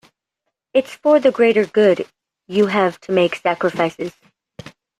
It’s for the greater good, you have to make sacrifices.